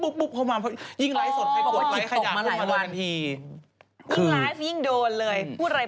บอกว่าติดต่อมาหลายวันทีคือครึ่งไลฟ์ยิ่งโดนเลย